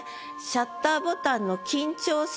シャッターボタンの緊張する